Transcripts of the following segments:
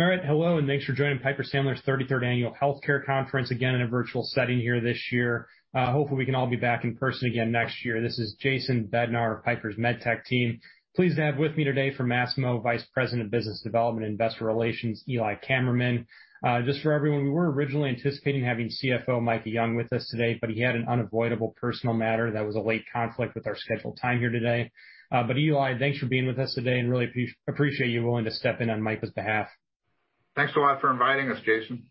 All right, hello, and thanks for joining Piper Sandler's 33rd Annual Healthcare Conference, again in a virtual setting here this year. Hopefully, we can all be back in person again next year. This is Jason Bednar of Piper's MedTech team. Pleased to have with me today from Masimo, Vice President of Business Development and Investor Relations, Eli Kammerman. Just for everyone, we were originally anticipating having CFO Micah Young with us today, but he had an unavoidable personal matter that was a late conflict with our scheduled time here today, but Eli, thanks for being with us today, and really appreciate you willing to step in on Micah's behalf. Thanks a lot for inviting us, Jason.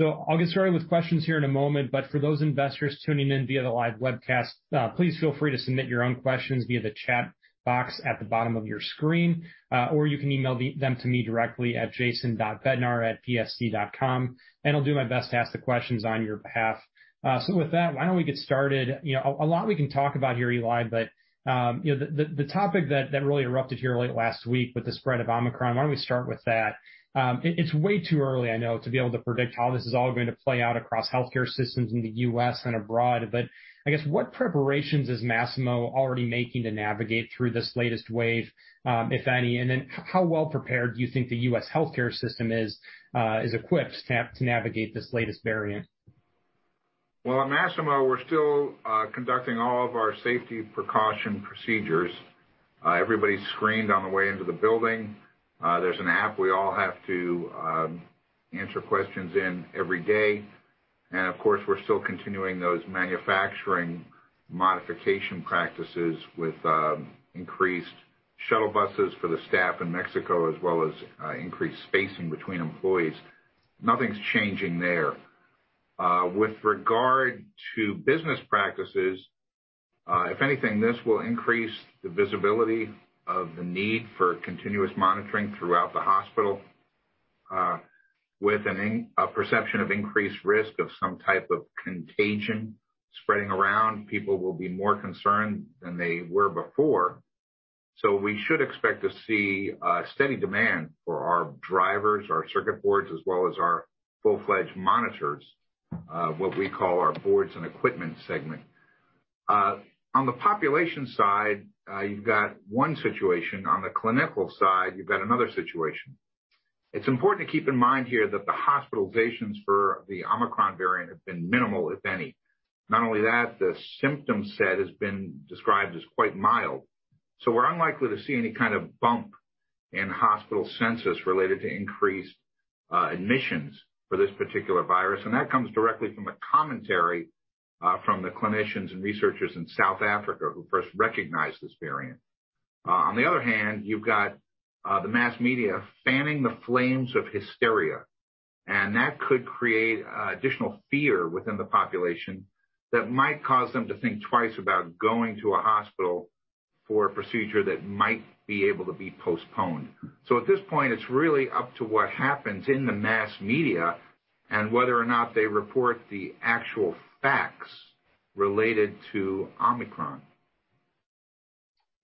I'll get started with questions here in a moment, but for those investors tuning in via the live webcast, please feel free to submit your own questions via the chat box at the bottom of your screen, or you can email them to me directly at jason.bednar@pjc.com, and I'll do my best to ask the questions on your behalf. With that, why don't we get started? A lot we can talk about here, Eli, but the topic that really erupted here late last week with the spread of Omicron, why don't we start with that? It's way too early, I know, to be able to predict how this is all going to play out across healthcare systems in the U.S. and abroad, but I guess, what preparations is Masimo already making to navigate through this latest wave, if any? Then how well prepared do you think the U.S. healthcare system is equipped to navigate this latest variant? At Masimo, we're still conducting all of our safety precaution procedures. Everybody's screened on the way into the building. There's an app we all have to answer questions in every day. And of course, we're still continuing those manufacturing modification practices with increased shuttle buses for the staff in Mexico, as well as increased spacing between employees. Nothing's changing there. With regard to business practices, if anything, this will increase the visibility of the need for continuous monitoring throughout the hospital. With a perception of increased risk of some type of contagion spreading around, people will be more concerned than they were before. So we should expect to see steady demand for our drivers, our circuit boards, as well as our full-fledged monitors, what we call our boards and equipment segment. On the population side, you've got one situation. On the clinical side, you've got another situation. It's important to keep in mind here that the hospitalizations for the Omicron variant have been minimal, if any. Not only that, the symptom set has been described as quite mild. So we're unlikely to see any kind of bump in hospital census related to increased admissions for this particular virus. And that comes directly from the commentary from the clinicians and researchers in South Africa who first recognized this variant. On the other hand, you've got the mass media fanning the flames of hysteria, and that could create additional fear within the population that might cause them to think twice about going to a hospital for a procedure that might be able to be postponed. So at this point, it's really up to what happens in the mass media and whether or not they report the actual facts related to Omicron.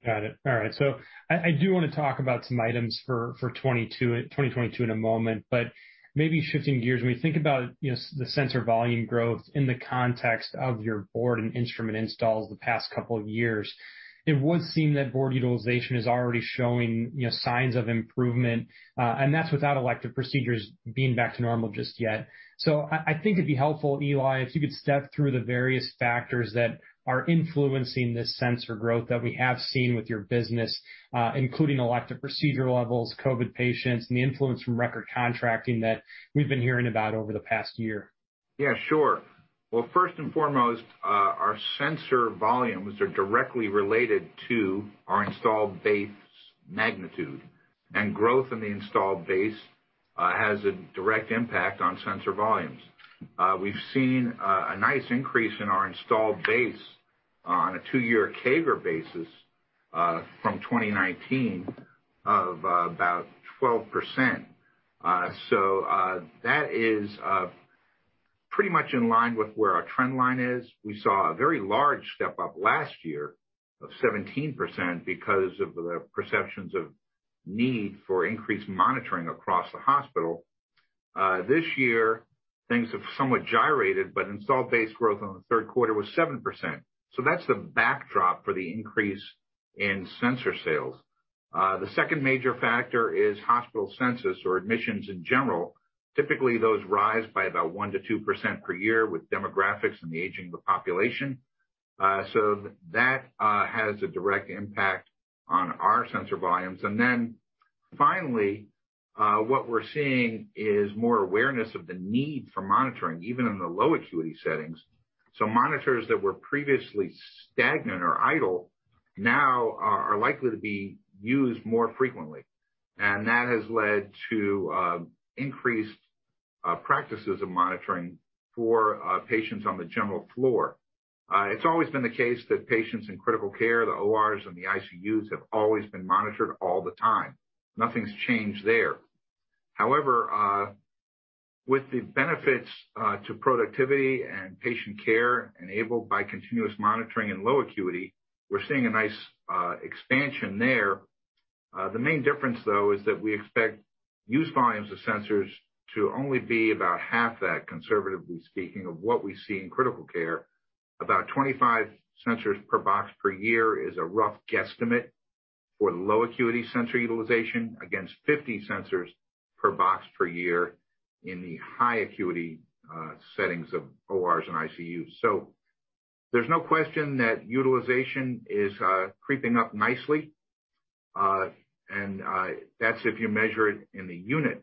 Got it. All right. So I do want to talk about some items for 2022 in a moment, but maybe shifting gears, when we think about the sensor volume growth in the context of your bedside and instrument installs the past couple of years, it would seem that bedside utilization is already showing signs of improvement, and that's without elective procedures being back to normal just yet. I think it'd be helpful, Eli, if you could step through the various factors that are influencing this sensor growth that we have seen with your business, including elective procedure levels, COVID patients, and the influence from record contracting that we've been hearing about over the past year. Yeah, sure. Well, first and foremost, our sensor volumes are directly related to our installed base magnitude, and growth in the installed base has a direct impact on sensor volumes. We've seen a nice increase in our installed base on a two-year CAGR basis from 2019 of about 12%. So that is pretty much in line with where our trend line is. We saw a very large step up last year of 17% because of the perceptions of need for increased monitoring across the hospital. This year, things have somewhat gyrated, but installed base growth in the third quarter was 7%. So that's the backdrop for the increase in sensor sales. The second major factor is hospital census or admissions in general. Typically, those rise by about 1%-2% per year with demographics and the aging of the population. So that has a direct impact on our sensor volumes. Finally, what we're seeing is more awareness of the need for monitoring, even in the low acuity settings. Monitors that were previously stagnant or idle now are likely to be used more frequently. That has led to increased practices of monitoring for patients on the general floor. It's always been the case that patients in critical care, the ORs and the ICUs have always been monitored all the time. Nothing's changed there. However, with the benefits to productivity and patient care enabled by continuous monitoring in low acuity, we're seeing a nice expansion there. The main difference, though, is that we expect use volumes of sensors to only be about half that, conservatively speaking, of what we see in critical care. About 25 sensors per box per year is a rough guesstimate for low acuity sensor utilization against 50 sensors per box per year in the high acuity settings of ORs and ICUs. So there's no question that utilization is creeping up nicely, and that's if you measure it in the unit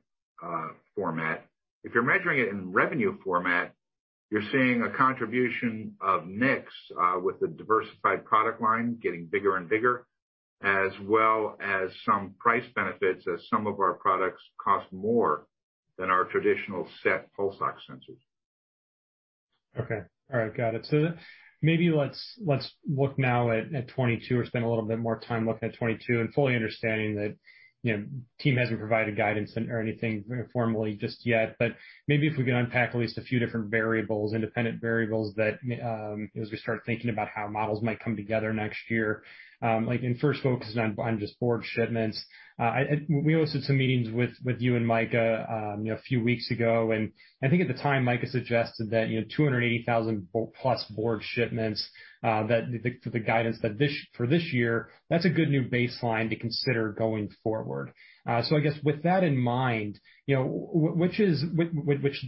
format. If you're measuring it in revenue format, you're seeing a contribution of mix with a diversified product line getting bigger and bigger, as well as some price benefits, as some of our products cost more than our traditional SET pulse ox sensors. Okay. All right, got it. So maybe let's look now at 2022 or spend a little bit more time looking at 2022 and fully understanding that the team hasn't provided guidance or anything formally just yet, but maybe if we can unpack at least a few different variables, independent variables that we start thinking about how models might come together next year. First focusing on just board shipments, we hosted some meetings with you and Micah a few weeks ago, and I think at the time Micah suggested that 280,000-plus board shipments, the guidance for this year, that's a good new baseline to consider going forward. So I guess with that in mind, which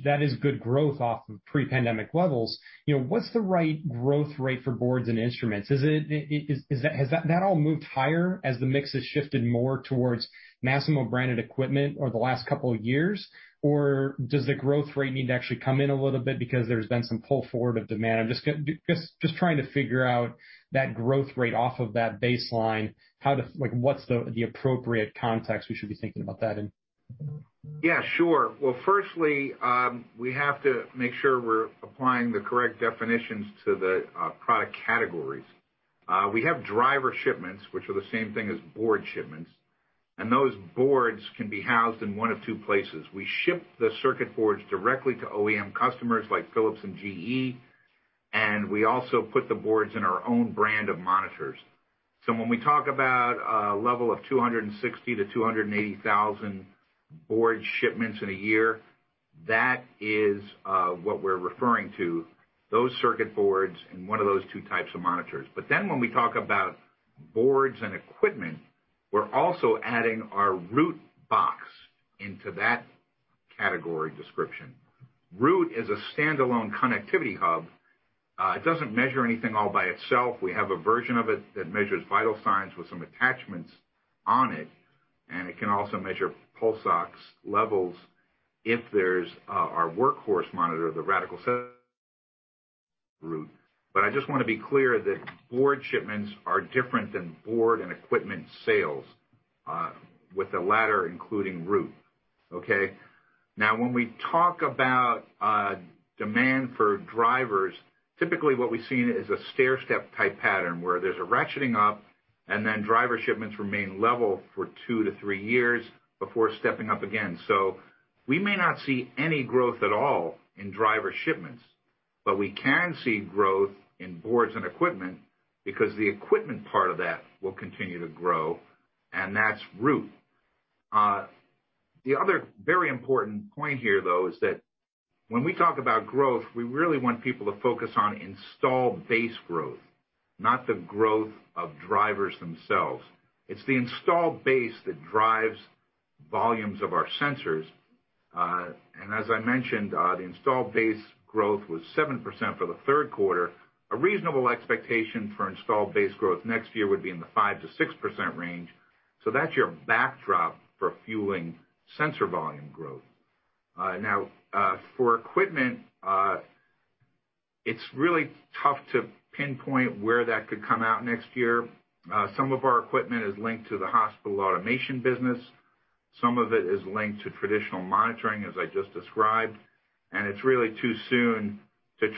that is good growth off of pre-pandemic levels, what's the right growth rate for boards and instruments? Has that all moved higher as the mix has shifted more towards Masimo branded equipment over the last couple of years, or does the growth rate need to actually come in a little bit because there's been some pull forward of demand? I'm just trying to figure out that growth rate off of that baseline. What's the appropriate context we should be thinking about that in? Yeah, sure. Well, firstly, we have to make sure we're applying the correct definitions to the product categories. We have driver shipments, which are the same thing as board shipments, and those boards can be housed in one of two places. We ship the circuit boards directly to OEM customers like Philips and GE, and we also put the boards in our own brand of monitors. So when we talk about a level of 260,000-280,000 board shipments in a year, that is what we're referring to, those circuit boards and one of those two types of monitors. But then when we talk about boards and equipment, we're also adding our Root box into that category description. Root is a standalone connectivity hub. It doesn't measure anything all by itself. We have a version of it that measures vital signs with some attachments on it, and it can also measure pulse ox levels if there's our workhorse monitor, the Radical-7 Root. But I just want to be clear that board shipments are different than board and equipment sales, with the latter including Root. Okay? Now, when we talk about demand for drivers, typically what we've seen is a stairstep type pattern where there's a ratcheting up, and then driver shipments remain level for two to three years before stepping up again. So we may not see any growth at all in driver shipments, but we can see growth in boards and equipment because the equipment part of that will continue to grow, and that's Root. The other very important point here, though, is that when we talk about growth, we really want people to focus on installed base growth, not the growth of drivers themselves. It's the installed base that drives volumes of our sensors. And as I mentioned, the installed base growth was 7% for the third quarter. A reasonable expectation for installed base growth next year would be in the 5%-6% range. So that's your backdrop for fueling sensor volume growth. Now, for equipment, it's really tough to pinpoint where that could come out next year. Some of our equipment is linked to the Hospital Automation business. Some of it is linked to traditional monitoring, as I just described, and it's really too soon to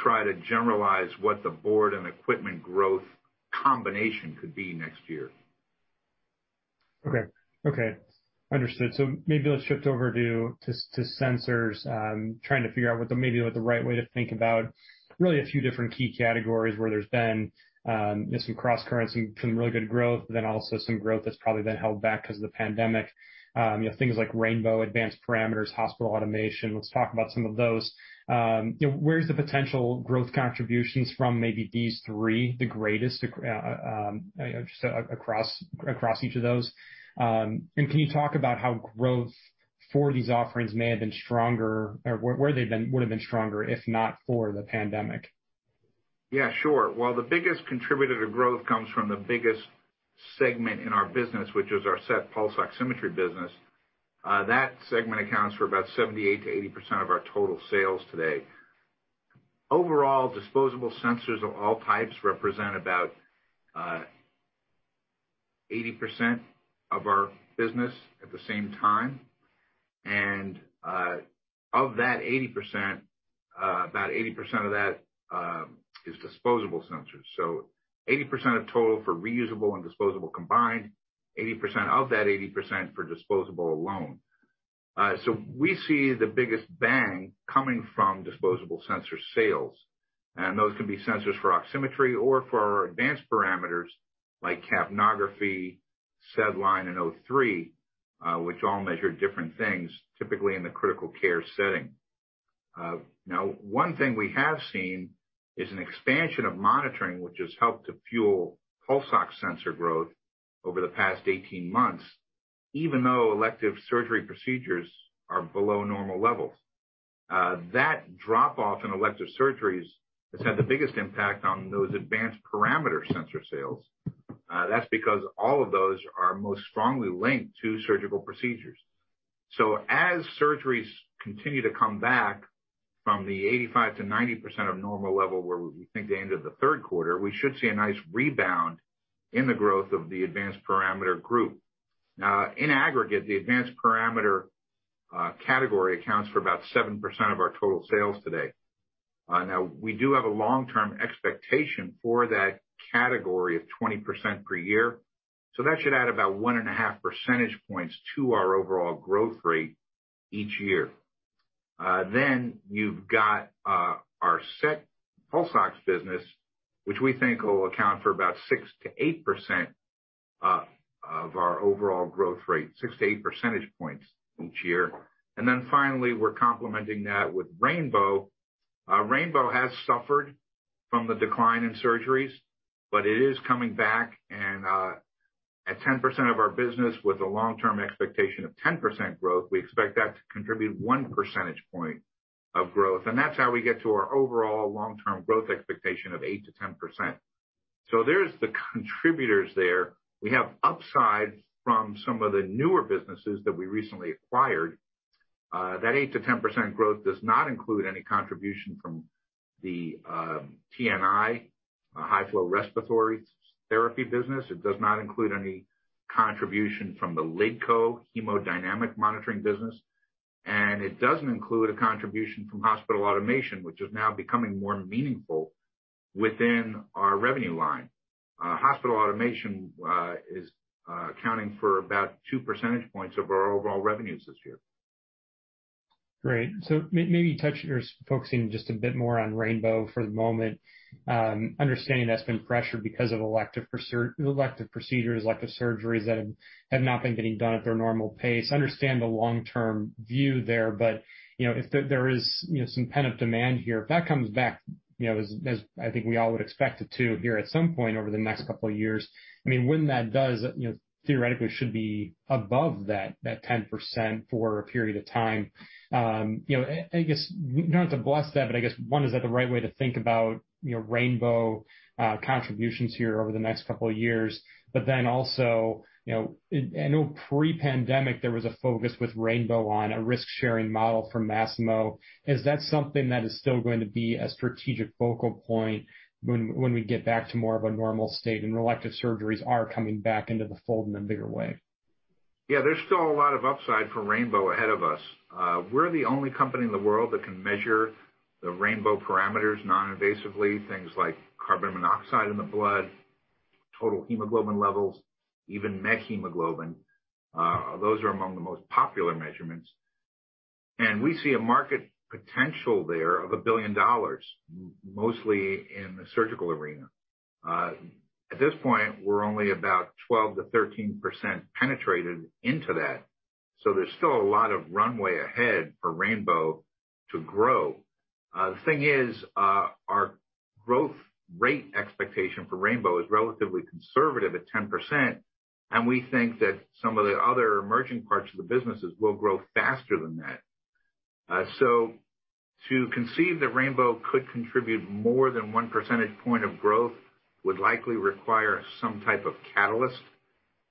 try to generalize what the board and equipment growth combination could be next year. Okay. Okay. Understood. So maybe let's shift over to sensors, trying to figure out maybe what the right way to think about really a few different key categories where there's been some cross-currents, some really good growth, but then also some growth that's probably been held back because of the pandemic. Things like Rainbow, advanced parameters, Hospital Automation. Let's talk about some of those. Where's the potential growth contributions from maybe these three, the greatest, just across each of those? And can you talk about how growth for these offerings may have been stronger, or where they would have been stronger if not for the pandemic? Yeah, sure. Well, the biggest contributor to growth comes from the biggest segment in our business, which is our SET pulse oximetry business. That segment accounts for about 78%-80% of our total sales today. Overall, disposable sensors of all types represent about 80% of our business at the same time. And of that 80%, about 80% of that is disposable sensors. So 80% of total for reusable and disposable combined, 80% of that 80% for disposable alone. So we see the biggest bang coming from disposable sensor sales. And those can be sensors for oximetry or for our advanced parameters like capnography, SedLine, and O3, which all measure different things, typically in the critical care setting. Now, one thing we have seen is an expansion of monitoring, which has helped to fuel pulse oximetry growth over the past 18 months, even though elective surgery procedures are below normal levels. That drop-off in elective surgeries has had the biggest impact on those advanced parameter sensor sales. That's because all of those are most strongly linked to surgical procedures. So as surgeries continue to come back from the 85%-90% of normal level where we think they ended the third quarter, we should see a nice rebound in the growth of the advanced parameter group. Now, in aggregate, the advanced parameter category accounts for about 7% of our total sales today. Now, we do have a long-term expectation for that category of 20% per year. So that should add about one and a half percentage points to our overall growth rate each year. Then you've got our SET pulse oximetry business, which we think will account for about 6%-8% of our overall growth rate, 6%-8% percentage points each year. And then finally, we're complementing that with Rainbow. Rainbow has suffered from the decline in surgeries, but it is coming back. And at 10% of our business, with a long-term expectation of 10% growth, we expect that to contribute 1% of growth. And that's how we get to our overall long-term growth expectation of 8%-10%. So there's the contributors there. We have upside from some of the newer businesses that we recently acquired. That 8%-10% growth does not include any contribution from the TNI, high-flow respiratory therapy business. It does not include any contribution from the LiDCO, hemodynamic monitoring business. It doesn't include a contribution from Hospital Automation, which is now becoming more meaningful within our revenue line. Hospital Automation is accounting for about 2% of our overall revenues this year. Great. So maybe touch your focusing just a bit more on Rainbow for the moment. Understanding that's been pressured because of elective procedures, elective surgeries that have not been getting done at their normal pace. Understand the long-term view there, but if there is some pent-up demand here, if that comes back, as I think we all would expect it to here at some point over the next couple of years, I mean, when that does, theoretically, it should be above that 10% for a period of time. I guess not to bless that, but I guess, one, is that the right way to think about Rainbow contributions here over the next couple of years? But then also, I know pre-pandemic there was a focus with Rainbow on a risk-sharing model for Masimo. Is that something that is still going to be a strategic focal point when we get back to more of a normal state and elective surgeries are coming back into the fold in a bigger way? Yeah, there's still a lot of upside for Rainbow ahead of us. We're the only company in the world that can measure the Rainbow parameters non-invasively, things like carbon monoxide in the blood, total hemoglobin levels, even methemoglobin. Those are among the most popular measurements. And we see a market potential there of $1 billion, mostly in the surgical arena. At this point, we're only about 12%-13% penetrated into that. So there's still a lot of runway ahead for Rainbow to grow. The thing is, our growth rate expectation for Rainbow is relatively conservative at 10%, and we think that some of the other emerging parts of the businesses will grow faster than that. So to conceive that Rainbow could contribute more than 1% of growth would likely require some type of catalyst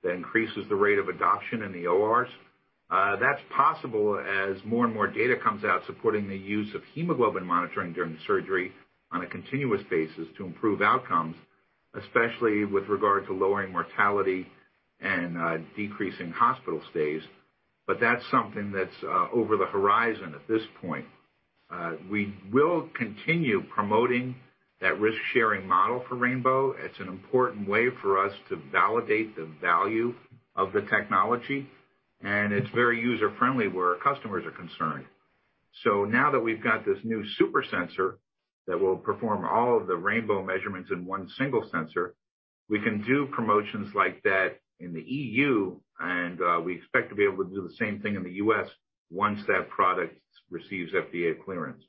that increases the rate of adoption in the ORs. That's possible as more and more data comes out supporting the use of hemoglobin monitoring during surgery on a continuous basis to improve outcomes, especially with regard to lowering mortality and decreasing hospital stays. But that's something that's over the horizon at this point. We will continue promoting that risk-sharing model for Rainbow. It's an important way for us to validate the value of the technology, and it's very user-friendly where our customers are concerned. So now that we've got this new super sensor that will perform all of the Rainbow measurements in one single sensor, we can do promotions like that in the EU, and we expect to be able to do the same thing in the U.S. once that product receives FDA clearance.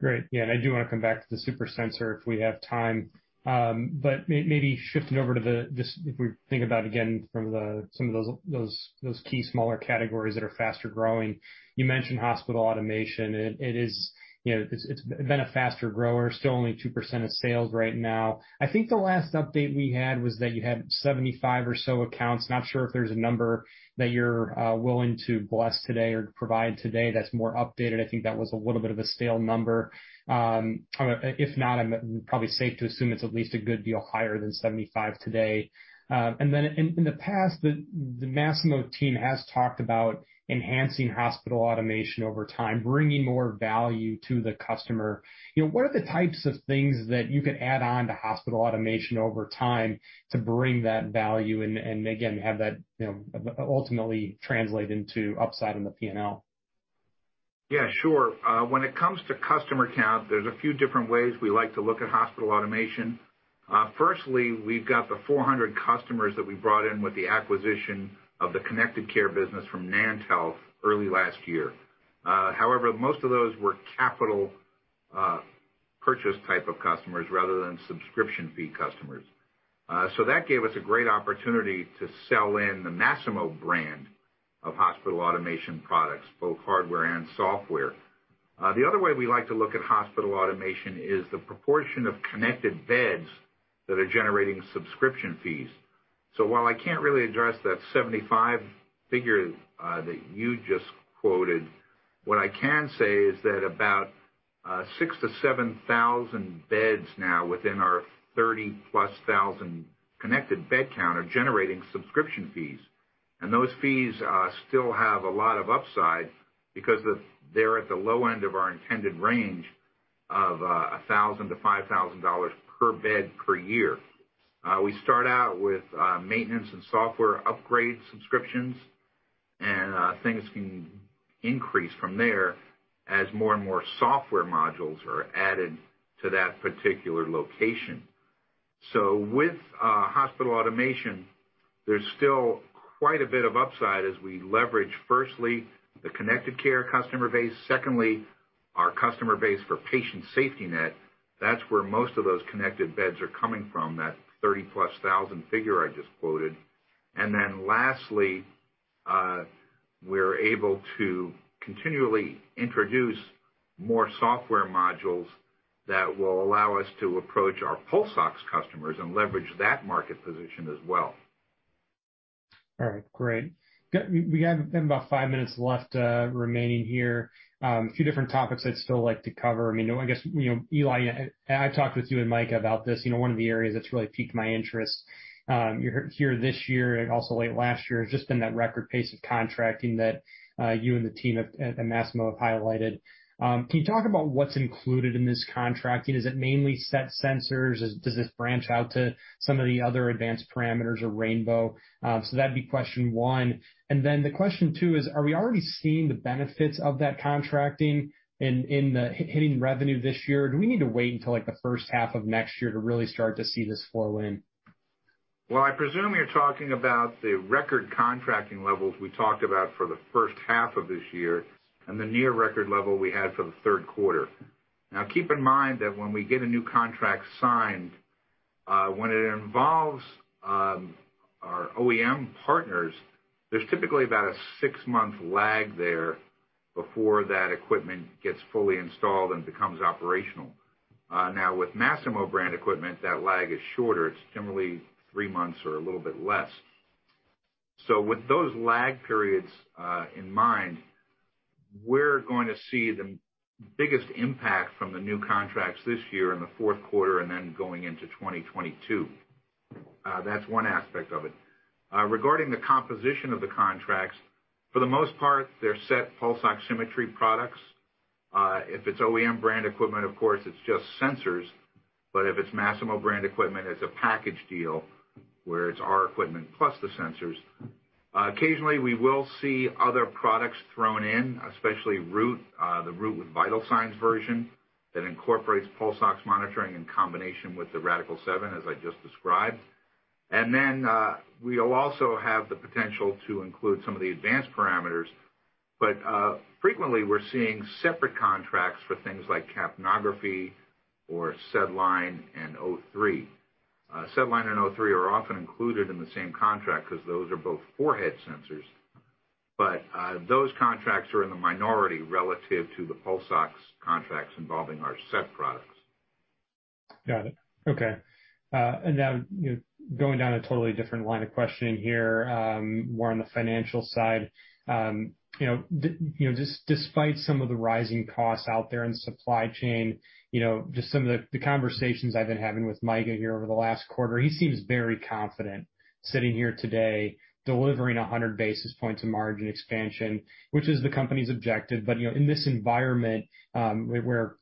Great. Yeah, and I do want to come back to the super sensor if we have time, but maybe shifting over to the if we think about again from some of those key smaller categories that are faster growing. You mentioned Hospital Automation. It's been a faster grower, still only 2% of sales right now. I think the last update we had was that you had 75 or so accounts. Not sure if there's a number that you're willing to bless today or provide today that's more updated. I think that was a little bit of a stale number. If not, I'm probably safe to assume it's at least a good deal higher than 75 today. And then in the past, the Masimo team has talked about enhancing Hospital Automation over time, bringing more value to the customer. What are the types of things that you could add on to Hospital Automation over time to bring that value and, again, have that ultimately translate into upside on the P&L? Yeah, sure. When it comes to customer count, there's a few different ways we like to look at Hospital Automation. Firstly, we've got the 400 customers that we brought in with the acquisition of the Connected Care business from NantHealth early last year. However, most of those were capital purchase type of customers rather than subscription fee customers, so that gave us a great opportunity to sell in the Masimo brand of Hospital Automation products, both hardware and software. The other way we like to look at Hospital Automation is the proportion of connected beds that are generating subscription fees, so while I can't really address that 75 figure that you just quoted, what I can say is that about 6,000-7,000 beds now within our 30,000-plus connected bed count are generating subscription fees. Those fees still have a lot of upside because they're at the low end of our intended range of $1,000-$5,000 per bed per year. We start out with maintenance and software upgrade subscriptions, and things can increase from there as more and more software modules are added to that particular location. With Hospital Automation, there's still quite a bit of upside as we leverage, firstly, the Connected Care customer base. Secondly, our customer base for Patient SafetyNet. That's where most of those connected beds are coming from, that 30,000-plus figure I just quoted. Then lastly, we're able to continually introduce more software modules that will allow us to approach our pulse oximetry customers and leverage that market position as well. All right. Great. We have about five minutes left remaining here. A few different topics I'd still like to cover. I mean, I guess, Eli, I talked with you and Micah about this. One of the areas that's really piqued my interest here this year and also late last year has just been that record pace of contracting that you and the team at Masimo have highlighted. Can you talk about what's included in this contracting? Is it mainly SET sensors? Does this branch out to some of the other advanced parameters or Rainbow? So that'd be question one. And then the question two is, are we already seeing the benefits of that contracting in hitting revenue this year? Do we need to wait until the first half of next year to really start to see this flow in? I presume you're talking about the record contracting levels we talked about for the first half of this year and the near record level we had for the third quarter. Now, keep in mind that when we get a new contract signed, when it involves our OEM partners, there's typically about a six-month lag there before that equipment gets fully installed and becomes operational. Now, with Masimo brand equipment, that lag is shorter. It's generally three months or a little bit less. So with those lag periods in mind, we're going to see the biggest impact from the new contracts this year in the fourth quarter and then going into 2022. That's one aspect of it. Regarding the composition of the contracts, for the most part, they're SET pulse oximetry products. If it's OEM brand equipment, of course, it's just sensors. But if it's Masimo brand equipment, it's a package deal where it's our equipment plus the sensors. Occasionally, we will see other products thrown in, especially the Root with Vital Signs version that incorporates pulse oximetry monitoring in combination with the Radical-7, as I just described. And then we will also have the potential to include some of the advanced parameters. But frequently, we're seeing separate contracts for things like capnography or SedLine and O3. SedLine and O3 are often included in the same contract because those are both forehead sensors. But those contracts are in the minority relative to the pulse oximetry contracts involving our SET products. Got it. Okay. And now going down a totally different line of questioning here, more on the financial side. Despite some of the rising costs out there in supply chain, just some of the conversations I've been having with Micah here over the last quarter, he seems very confident sitting here today, delivering 100 basis points of margin expansion, which is the company's objective. But in this environment where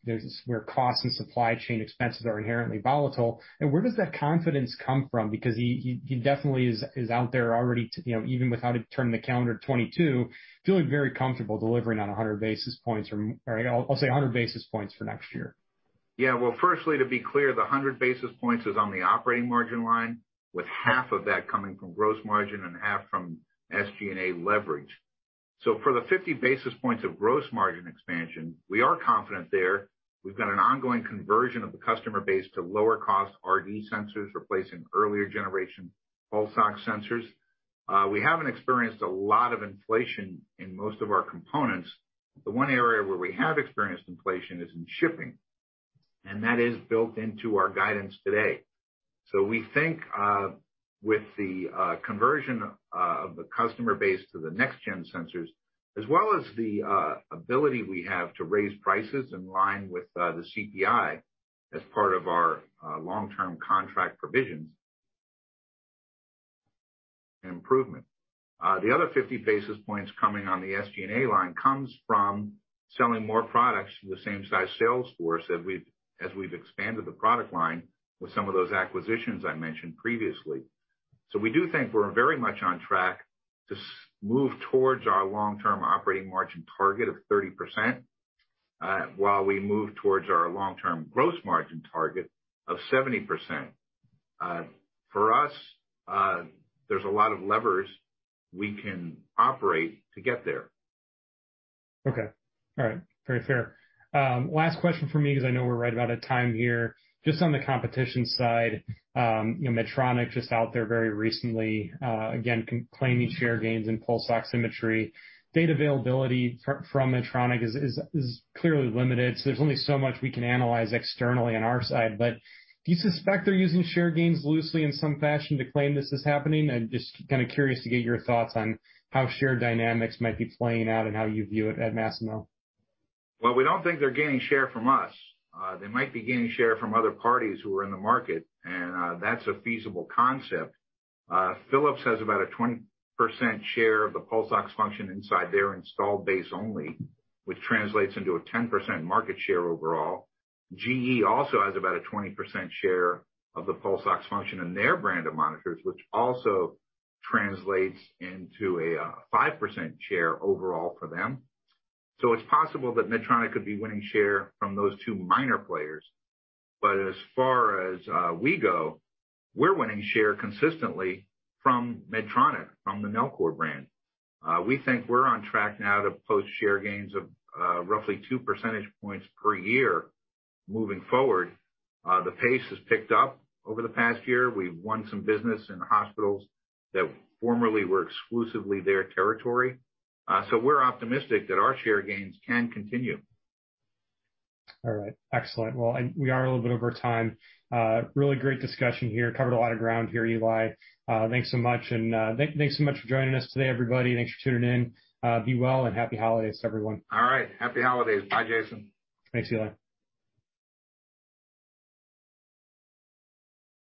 costs and supply chain expenses are inherently volatile, where does that confidence come from? Because he definitely is out there already, even without it turning the calendar to 2022, feeling very comfortable delivering on 100 basis points or, I'll say, 100 basis points for next year. Yeah. Well, firstly, to be clear, the 100 basis points is on the operating margin line, with half of that coming from gross margin and half from SG&A leverage. So for the 50 basis points of gross margin expansion, we are confident there. We've got an ongoing conversion of the customer base to lower-cost RD sensors replacing earlier generation pulse oximetry sensors. We haven't experienced a lot of inflation in most of our components. The one area where we have experienced inflation is in shipping, and that is built into our guidance today. So we think with the conversion of the customer base to the next-gen sensors, as well as the ability we have to raise prices in line with the CPI as part of our long-term contract provisions, improvement. The other 50 basis points coming on the SG&A line comes from selling more products to the same size sales force as we've expanded the product line with some of those acquisitions I mentioned previously, so we do think we're very much on track to move towards our long-term operating margin target of 30% while we move towards our long-term gross margin target of 70%. For us, there's a lot of levers we can operate to get there. Okay. All right. Very fair. Last question for me because I know we're right about at time here. Just on the competition side, Medtronic just out there very recently, again, claiming share gains in pulse oximetry. Data availability from Medtronic is clearly limited. So there's only so much we can analyze externally on our side. But do you suspect they're using share gains loosely in some fashion to claim this is happening? I'm just kind of curious to get your thoughts on how share dynamics might be playing out and how you view it at Masimo. We don't think they're gaining share from us. They might be gaining share from other parties who are in the market, and that's a feasible concept. Philips has about a 20% share of the pulse oximetry function inside their installed base only, which translates into a 10% market share overall. GE also has about a 20% share of the pulse oximetry function in their brand of monitors, which also translates into a 5% share overall for them. So it's possible that Medtronic could be winning share from those two minor players. But as far as we go, we're winning share consistently from Medtronic, from the Nellcor brand. We think we're on track now to post share gains of roughly two percentage points per year moving forward. The pace has picked up over the past year. We've won some business in hospitals that formerly were exclusively their territory. So we're optimistic that our share gains can continue. All right. Excellent. Well, we are a little bit over time. Really great discussion here. Covered a lot of ground here, Eli. Thanks so much and thanks so much for joining us today, everybody. Thanks for tuning in. Be well and happy holidays, everyone. All right. Happy holidays. Bye, Jason. Thanks, Eli.